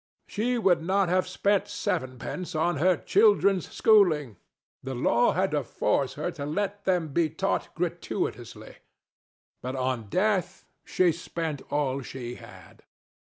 She would not have spent sevenpence on her children's schooling: the law had to force her to let them be taught gratuitously; but on death she spent all she had.